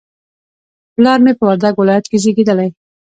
پلار مې په وردګ ولایت کې زیږدلی